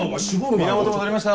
源戻りました